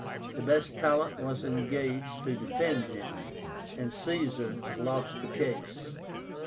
The best talent was engaged to defend him, and Caesar lost the case.